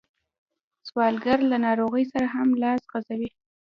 سوالګر له ناروغۍ سره هم لاس غځوي